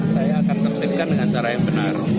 saya akan tertipkan dengan cara yang benar